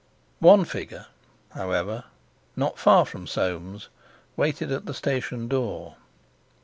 One figure, however, not far from Soames, waited at the station door.